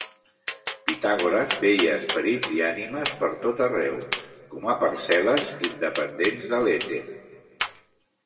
Pitàgores veia esperits i ànimes per tot arreu, com a parcel·les independents de l'èter.